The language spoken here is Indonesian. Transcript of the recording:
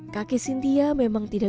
kakek sintia memang tidak